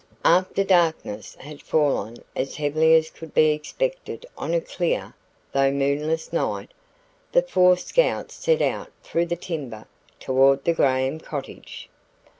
After darkness had fallen as heavily as could be expected on a clear, though moonless night, the four scouts set out through the timber toward the Graham cottage.